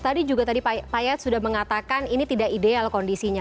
pak yat sudah mengatakan ini tidak ideal kondisinya